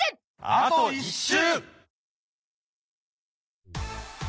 あと１週！